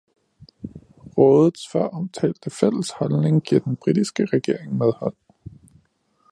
Rådets føromtalte fælles holdning giver den britiske regering medhold.